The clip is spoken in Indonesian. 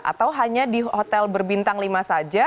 atau hanya di hotel berbintang lima saja